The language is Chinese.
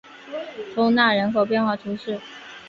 通讷人口变化图示